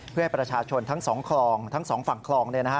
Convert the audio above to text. เพื่อให้ประชาชนทั้งสองคลองทั้งสองฝั่งคลอง